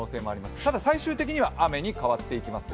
ただ最終的には雨に変わっていきますよ。